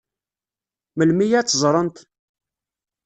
Melmi ad tt-ẓṛent?